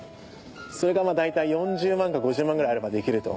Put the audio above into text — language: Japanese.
それが大体４０万か５０万ぐらいあればできると。